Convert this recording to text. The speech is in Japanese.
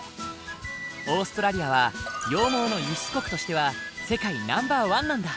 オーストラリアは羊毛の輸出国としては世界ナンバーワンなんだ。